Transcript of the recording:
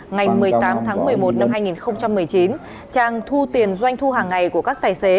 ngày một mươi tám tháng một mươi một năm hai nghìn một mươi chín trang thu tiền doanh thu hàng ngày của các tài xế